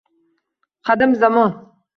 Qadim zamon